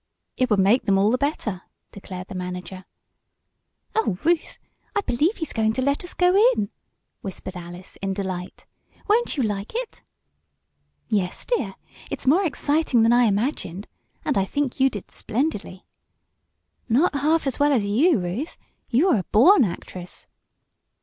"It would make them all the better," declared the manager. "Oh, Ruth! I believe he's going to let us go in!" whispered Alice in delight. "Won't you like it?" "Yes, dear! It's more exciting than I imagined. And I think you did splendidly!" "Not half as well as you, Ruth. You are a born actress!"